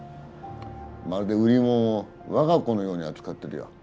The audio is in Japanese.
まるで売り物を我が子のように扱ってるよ。